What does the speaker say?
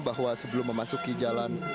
bahwa sebelum memasuki jalan